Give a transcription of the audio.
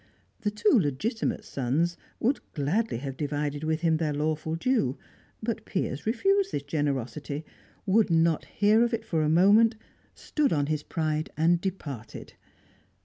The two legitimate sons would gladly have divided with him their lawful due, but Piers refused this generosity, would not hear of it for a moment, stood on his pride, and departed.